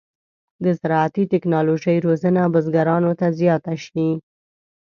د زراعتي تکنالوژۍ روزنه بزګرانو ته زیاته شي.